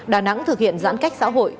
đà nẵng thực hiện giãn cách xã hội